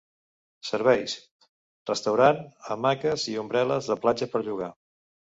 Serveis; Restaurants, hamaques i ombrel·les de platja per llogar.